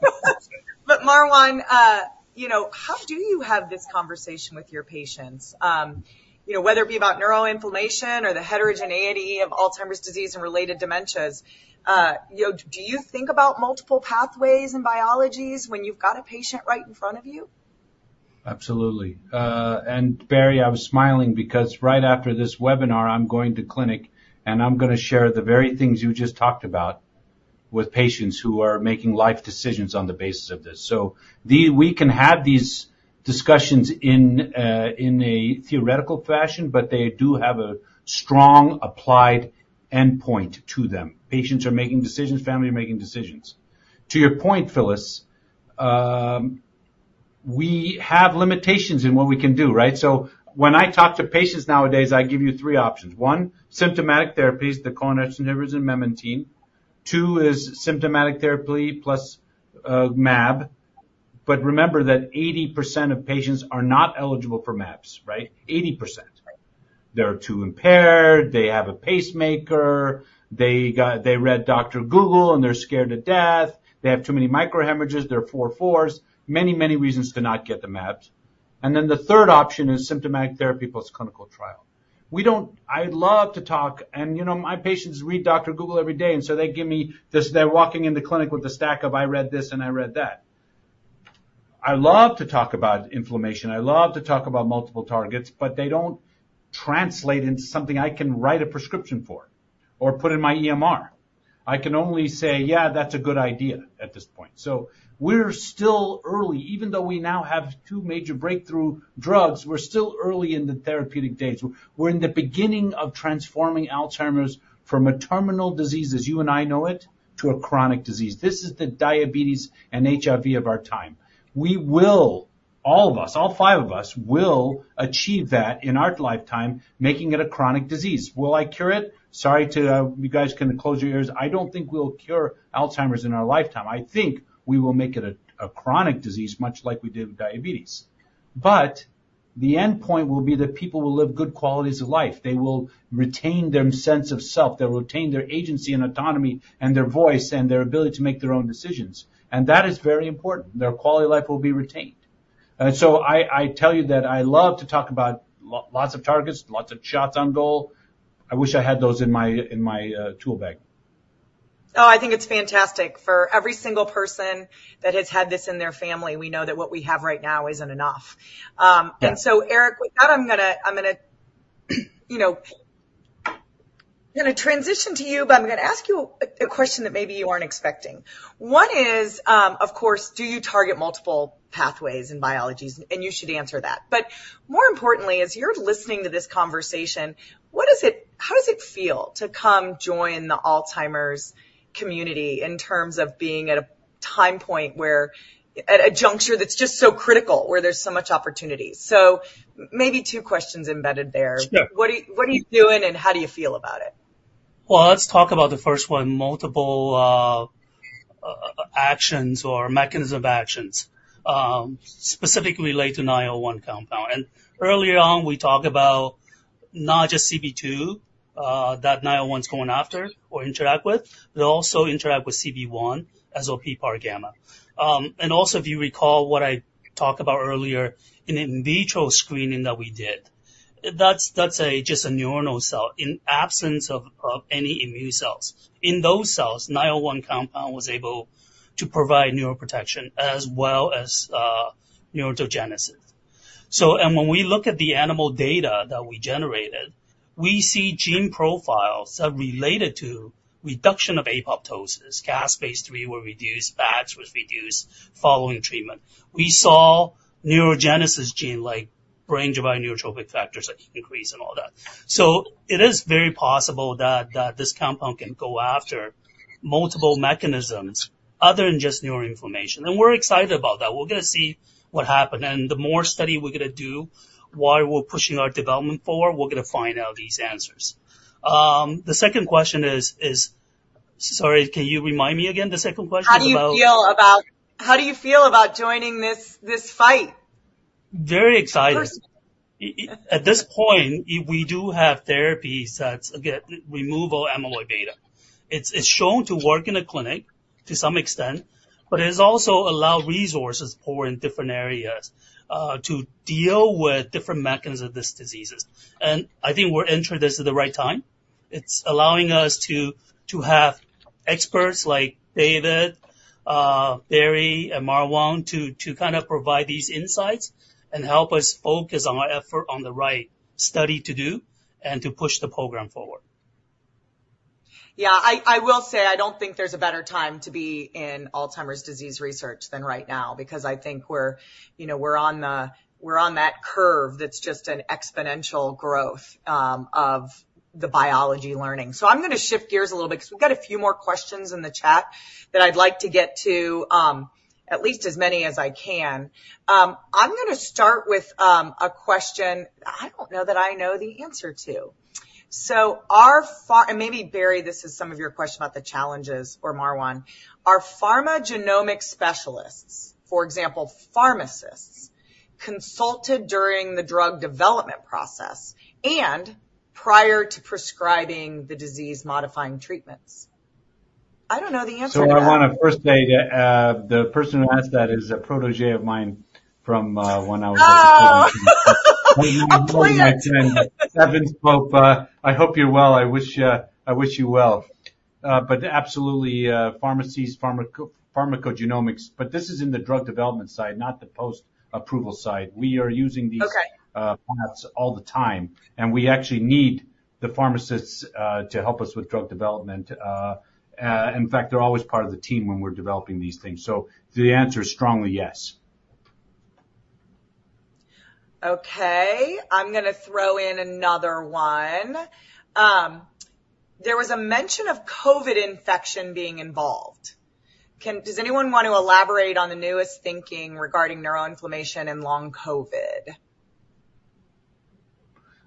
But Marwan, how do you have this conversation with your patients? Whether it be about neuroinflammation or the heterogeneity of Alzheimer's disease and related dementias, do you think about multiple pathways and biologies when you've got a patient right in front of you? Absolutely. And Barry, I was smiling because right after this webinar, I'm going to clinic and I'm going to share the very things you just talked about with patients who are making life decisions on the basis of this. So we can have these discussions in a theoretical fashion, but they do have a strong applied endpoint to them. Patients are making decisions. Family are making decisions. To your point, Phyllis, we have limitations in what we can do, right? So when I talk to patients nowadays, I give you three options. One, symptomatic therapies: the cholinesterase inhibitors and memantine. Two is symptomatic therapy plus MAB. But remember that 80% of patients are not eligible for mAbs, right? 80%. They're too impaired. They have a pacemaker. They read Dr. Google and they're scared to death. They have too many microhemorrhages. They're 4/4s. Many, many reasons to not get the mAbs. And then the third option is symptomatic therapy plus clinical trial. I'd love to talk, and my patients read Dr. Google every day. And so they give me this, they're walking into clinic with a stack of, "I read this and I read that." I love to talk about inflammation. I love to talk about multiple targets, but they don't translate into something I can write a prescription for or put in my EMR. I can only say, "Yeah, that's a good idea at this point." So we're still early. Even though we now have two major breakthrough drugs, we're still early in the therapeutic days. We're in the beginning of transforming Alzheimer's from a terminal disease, as you and I know it, to a chronic disease. This is the diabetes and HIV of our time. We will, all of us, all five of us, achieve that in our lifetime, making it a chronic disease. Will I cure it? Sorry, you guys can close your ears. I don't think we'll cure Alzheimer's in our lifetime. I think we will make it a chronic disease, much like we did with diabetes. But the endpoint will be that people will live good qualities of life. They will retain their sense of self. They'll retain their agency and autonomy and their voice and their ability to make their own decisions. And that is very important. Their quality of life will be retained. And so I tell you that I love to talk about lots of targets, lots of shots on goal. I wish I had those in my tool bag. Oh, I think it's fantastic. For every single person that has had this in their family, we know that what we have right now isn't enough. And so, Eric, with that, I'm going to transition to you, but I'm going to ask you a question that maybe you weren't expecting. One is, of course, do you target multiple pathways and biologies? And you should answer that. But more importantly, as you're listening to this conversation, how does it feel to come join the Alzheimer's community in terms of being at a time point, at a juncture that's just so critical, where there's so much opportunity? So maybe two questions embedded there. What are you doing and how do you feel about it? Let's talk about the first one, multiple actions or mechanism of actions, specifically related to the 901 compound. Earlier on, we talked about not just CB2 that 901 is going after or interact with, but also interact with CB1, PPAR gamma. Also, if you recall what I talked about earlier in in vitro screening that we did, that's just a neuronal cell in absence of any immune cells. In those cells, 901 compound was able to provide neuroprotection as well as neurogenesis. When we look at the animal data that we generated, we see gene profiles that related to reduction of apoptosis, caspase-3 were reduced, Bax were reduced following treatment. We saw neurogenesis gene like brain-derived neurotrophic factors increase and all that. It is very possible that this compound can go after multiple mechanisms other than just neuroinflammation. We're excited about that. We're going to see what happens, and the more study we're going to do, why we're pushing our development forward, we're going to find out these answers. The second question is, sorry, can you remind me again the second question? How do you feel about joining this fight? Very excited. At this point, we do have therapies that remove all amyloid beta. It's shown to work in a clinic to some extent, but it has also allowed resources for different areas to deal with different mechanisms of this disease. And I think we're entering this at the right time. It's allowing us to have experts like David, Barry, and Marwan to kind of provide these insights and help us focus our effort on the right study to do and to push the program forward. Yeah. I will say I don't think there's a better time to be in Alzheimer's disease research than right now because I think we're on that curve that's just an exponential growth of the biology learning. So I'm going to shift gears a little bit because we've got a few more questions in the chat that I'd like to get to, at least as many as I can. I'm going to start with a question I don't know that I know the answer to. So maybe, Barry, this is some of your question about the challenges or Marwan. Are pharmacogenomic specialists, for example, pharmacists, consulted during the drug development process and prior to prescribing the disease-modifying treatments? I don't know the answer to that. So Marwan, first, the person who asked that is a protégé of mine from when I was in school. Oh, please. I hope you're well. I wish you well. But absolutely, pharmaceutical pharmacogenomics. But this is in the drug development side, not the post-approval side. We are using these paths all the time. And we actually need the pharmacists to help us with drug development. In fact, they're always part of the team when we're developing these things. So the answer is strongly yes. Okay. I'm going to throw in another one. There was a mention of COVID infection being involved. Does anyone want to elaborate on the newest thinking regarding neuroinflammation and long COVID?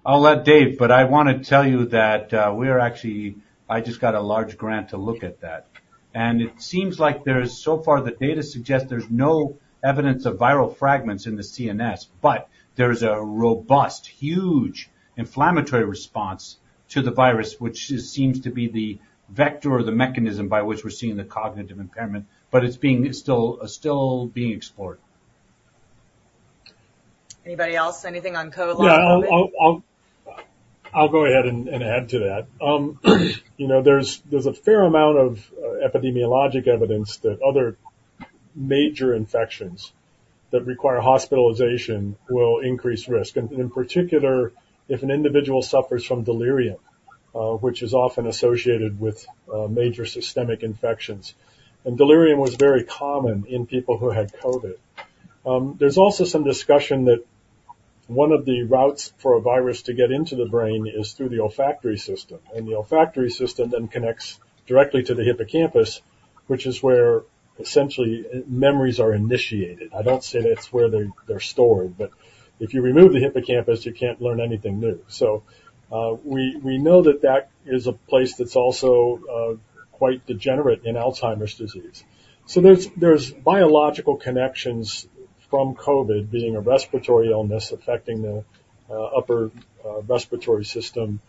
I'll let Dave, but I want to tell you that we are actually. I just got a large grant to look at that. And it seems like there is, so far the data suggests, there's no evidence of viral fragments in the CNS, but there is a robust, huge inflammatory response to the virus, which seems to be the vector or the mechanism by which we're seeing the cognitive impairment, but it's still being explored. Anybody else? Anything on COVID? Yeah. I'll go ahead and add to that. There's a fair amount of epidemiologic evidence that other major infections that require hospitalization will increase risk. And in particular, if an individual suffers from delirium, which is often associated with major systemic infections. And delirium was very common in people who had COVID. There's also some discussion that one of the routes for a virus to get into the brain is through the olfactory system. And the olfactory system then connects directly to the hippocampus, which is where essentially memories are initiated. I don't say that's where they're stored, but if you remove the hippocampus, you can't learn anything new. So we know that that is a place that's also quite degenerate in Alzheimer's disease. So there's biological connections from COVID being a respiratory illness affecting the upper respiratory system,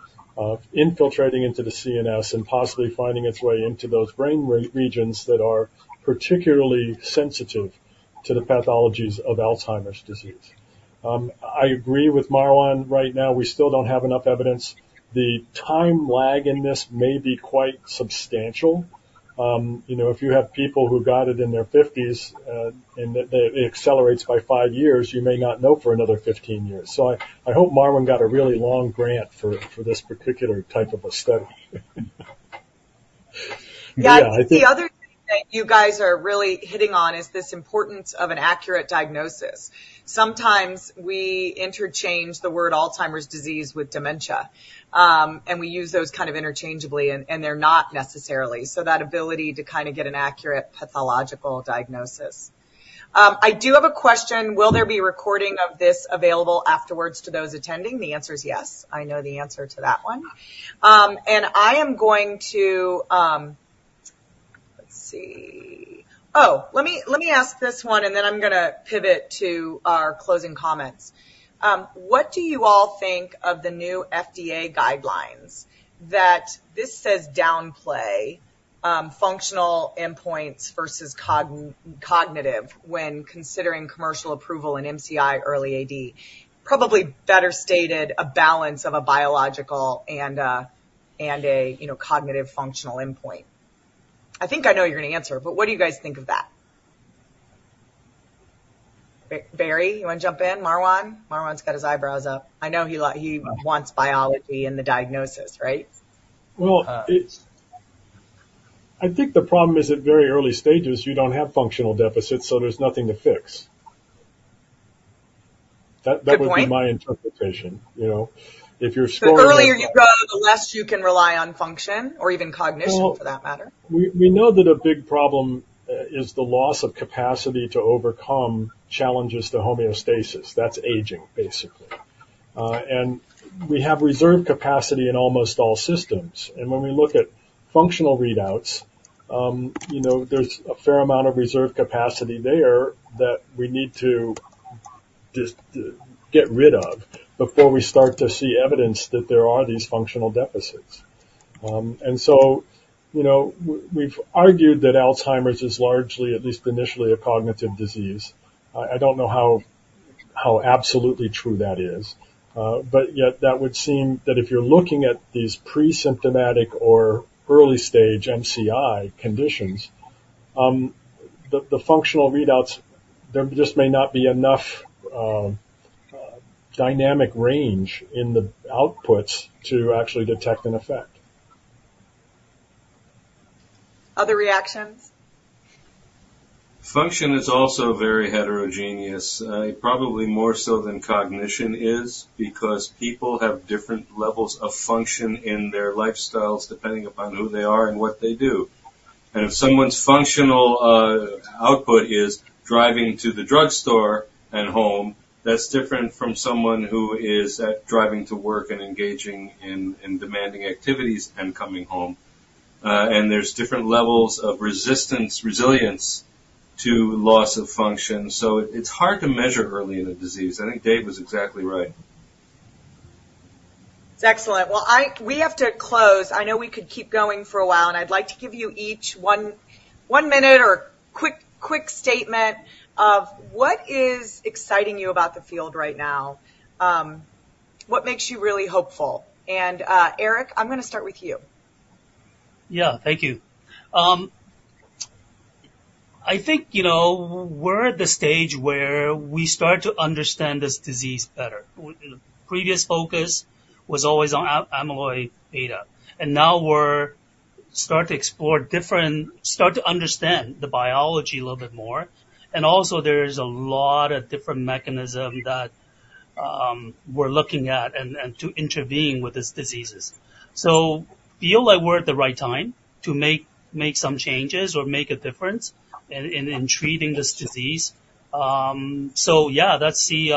infiltrating into the CNS, and possibly finding its way into those brain regions that are particularly sensitive to the pathologies of Alzheimer's disease. I agree with Marwan right now. We still don't have enough evidence. The time lag in this may be quite substantial. If you have people who got it in their 50s and it accelerates by five years, you may not know for another 15 years. So I hope Marwan got a really long grant for this particular type of a study. Yeah. I think the other thing that you guys are really hitting on is this importance of an accurate diagnosis. Sometimes we interchange the word Alzheimer's disease with dementia. And we use those kind of interchangeably, and they're not necessarily. So that ability to kind of get an accurate pathological diagnosis. I do have a question. Will there be a recording of this available afterwards to those attending? The answer is yes. I know the answer to that one. And I am going to, let's see. Oh, let me ask this one, and then I'm going to pivot to our closing comments. What do you all think of the new FDA guidelines that this says downplay functional endpoints versus cognitive when considering commercial approval and MCI early AD? Probably better stated, a balance of a biological and a cognitive functional endpoint. I think I know you're going to answer, but what do you guys think of that? Barry, you want to jump in? Marwan? Marwan's got his eyebrows up. I know he wants biology and the diagnosis, right? I think the problem is at very early stages, you don't have functional deficits, so there's nothing to fix. That would be my interpretation. If you're scoring— The earlier you go, the less you can rely on function or even cognition for that matter. We know that a big problem is the loss of capacity to overcome challenges to homeostasis. That's aging, basically. And we have reserve capacity in almost all systems. And when we look at functional readouts, there's a fair amount of reserve capacity there that we need to get rid of before we start to see evidence that there are these functional deficits. And so we've argued that Alzheimer's is largely, at least initially, a cognitive disease. I don't know how absolutely true that is. But yet, that would seem that if you're looking at these pre-symptomatic or early-stage MCI conditions, the functional readouts, there just may not be enough dynamic range in the outputs to actually detect an effect. Other reactions? Function is also very heterogeneous. Probably more so than cognition is because people have different levels of function in their lifestyles depending upon who they are and what they do. And if someone's functional output is driving to the drugstore and home, that's different from someone who is driving to work and engaging in demanding activities and coming home. And there's different levels of resistance, resilience to loss of function. So it's hard to measure early in a disease. I think Dave was exactly right. It's excellent. We have to close. I know we could keep going for a while, and I'd like to give you each one minute or quick statement of what is exciting you about the field right now, what makes you really hopeful. Eric, I'm going to start with you. Yeah. Thank you. I think we're at the stage where we start to understand this disease better. Previous focus was always on amyloid beta, and now we're starting to explore different, start to understand the biology a little bit more, and also, there is a lot of different mechanisms that we're looking at and to intervene with these diseases. So I feel like we're at the right time to make some changes or make a difference in treating this disease. So yeah, that's the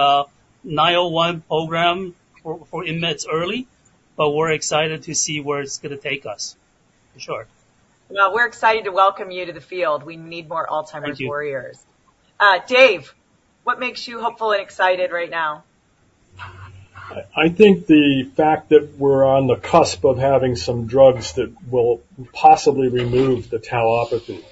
INM-901 program for InMed's early, but we're excited to see where it's going to take us for sure. We're excited to welcome you to the field. We need more Alzheimer's warriors. Dave, what makes you hopeful and excited right now? I think the fact that we're on the cusp of having some drugs that will possibly remove the tauopathy.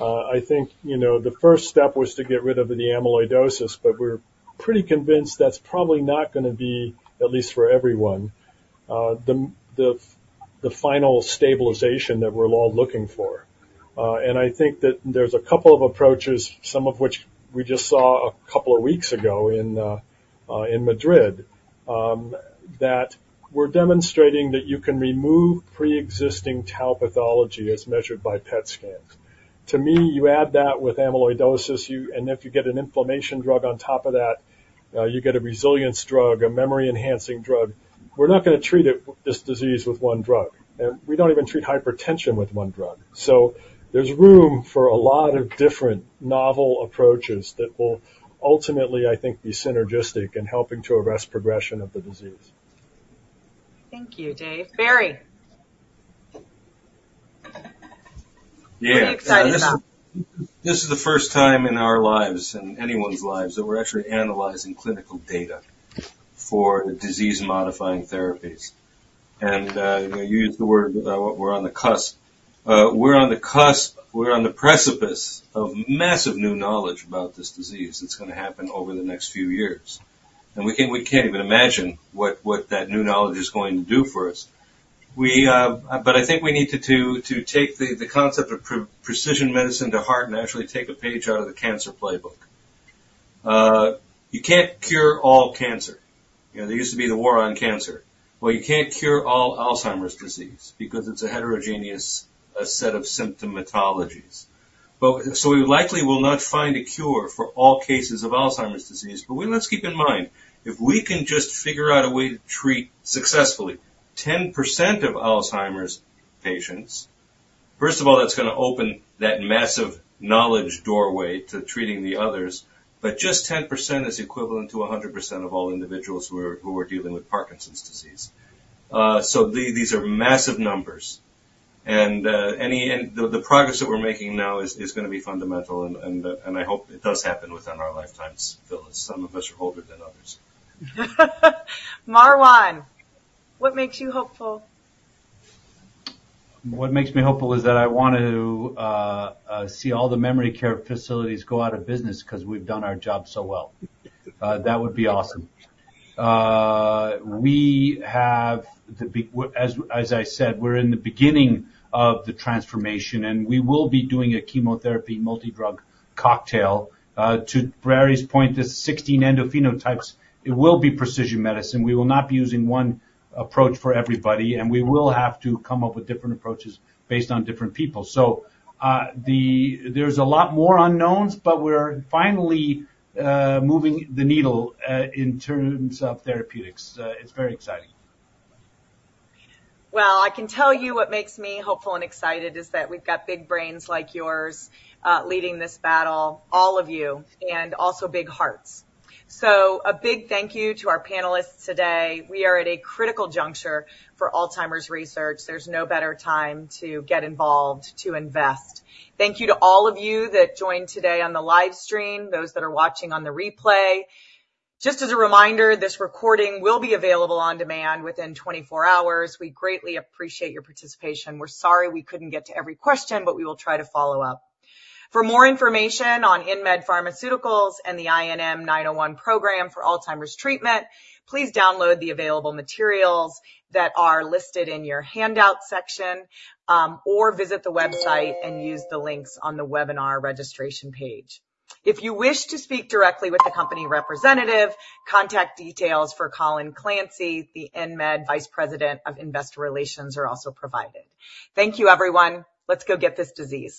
I think the first step was to get rid of the amyloidosis, but we're pretty convinced that's probably not going to be, at least for everyone, the final stabilization that we're all looking for. And I think that there's a couple of approaches, some of which we just saw a couple of weeks ago in Madrid, that we're demonstrating that you can remove pre-existing tau pathology as measured by PET scans. To me, you add that with amyloidosis, and if you get an inflammation drug on top of that, you get a resilience drug, a memory-enhancing drug. We're not going to treat this disease with one drug. And we don't even treat hypertension with one drug. There's room for a lot of different novel approaches that will ultimately, I think, be synergistic in helping to arrest progression of the disease. Thank you, Dave. Barry. Yeah. What are you excited about? This is the first time in our lives and anyone's lives that we're actually analyzing clinical data for disease-modifying therapies. And you used the word, "We're on the cusp." We're on the cusp. We're on the precipice of massive new knowledge about this disease that's going to happen over the next few years. And we can't even imagine what that new knowledge is going to do for us. But I think we need to take the concept of precision medicine to heart and actually take a page out of the cancer playbook. You can't cure all cancer. There used to be the war on cancer. Well, you can't cure all Alzheimer's disease because it's a heterogeneous set of symptomatologies. So we likely will not find a cure for all cases of Alzheimer's disease. But let's keep in mind, if we can just figure out a way to treat successfully 10% of Alzheimer's patients, first of all, that's going to open that massive knowledge doorway to treating the others. But just 10% is equivalent to 100% of all individuals who are dealing with Parkinson's disease. So these are massive numbers. And the progress that we're making now is going to be fundamental. And I hope it does happen within our lifetimes, Phyllis. Some of us are older than others. Marwan, what makes you hopeful? What makes me hopeful is that I want to see all the memory care facilities go out of business because we've done our job so well. That would be awesome. As I said, we're in the beginning of the transformation, and we will be doing a chemotherapy multi-drug cocktail. To Barry's point, the 16 endophenotypes, it will be precision medicine. We will not be using one approach for everybody, and we will have to come up with different approaches based on different people, so there's a lot more unknowns, but we're finally moving the needle in terms of therapeutics. It's very exciting. I can tell you what makes me hopeful and excited is that we've got big brains like yours leading this battle, all of you, and also big hearts. A big thank you to our panelists today. We are at a critical juncture for Alzheimer's research. There's no better time to get involved, to invest. Thank you to all of you that joined today on the livestream, those that are watching on the replay. Just as a reminder, this recording will be available on demand within 24 hours. We greatly appreciate your participation. We're sorry we couldn't get to every question, but we will try to follow up. For more information on InMed Pharmaceuticals and the INM-901 program for Alzheimer's treatment, please download the available materials that are listed in your handout section or visit the website and use the links on the webinar registration page. If you wish to speak directly with the company representative, contact details for Colin Clancy, the InMed Vice President of Investor Relations are also provided. Thank you, everyone. Let's go get this disease.